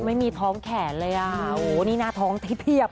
ไม่มีท้องแขนเลยอ่ะโอ้โหนี่หน้าท้องที่เพียบ